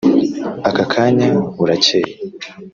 aka kanya burakeye